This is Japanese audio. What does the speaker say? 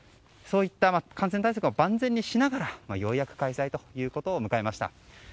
そういった感染対策を万全にしながらようやく開催を迎えました。